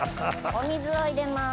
お水を入れます。